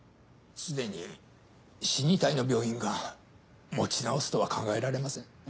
すでに死に体の病院が持ち直すとは考えられません。